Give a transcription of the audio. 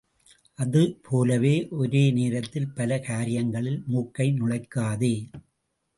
அது போலவே ஒரே நேரத்தில் பல காரியங்களில் மூக்கை நுழைக்காதே.